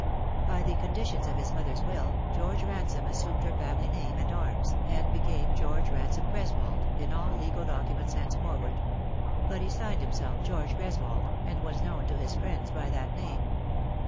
By the conditions of his mother's will, George Ransome assumed her family name and arms, and became George Ransome Greswold in all legal documents henceforward ; but he signed himself George Greswold, and was known to his friends by that name.